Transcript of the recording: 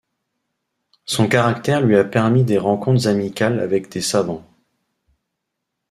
Son caractère lui a permis des rencontres amicales avec des savants.